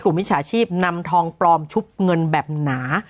มิจฉาชีพนำทองปลอมชุบเงินแบบหนา